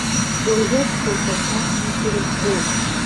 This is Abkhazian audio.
Уажәы ацәқәырԥақәа идырбзоит?!